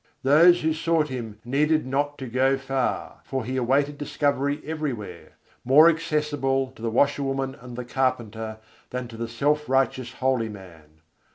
Those who sought Him needed not to go far; for He awaited discovery everywhere, more accessible to "the washerwoman and the carpenter" than to the self righteous holy man.